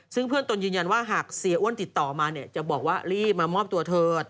ซึ่งเพื่อนตนยืนยันว่าหากเสียอ้วนติดต่อมาเนี่ยจะบอกว่ารีบมามอบตัวเถิด